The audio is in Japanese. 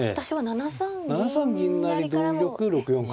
７三銀成同玉６四角の変化。